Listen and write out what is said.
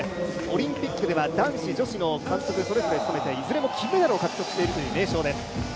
オリンピックでは男子、女子の監督それぞれ務めていずれも金メダルを獲得しているという名将です。